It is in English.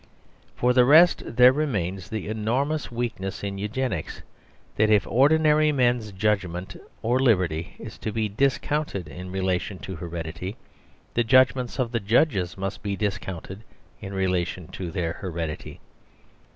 For the rest, there remains the enormous weakness in Eugenics, that if ordinary men's judgment or liberty is to be discounted in relation to heredity, the judgment of the judges must be discounted in relation to their heredity.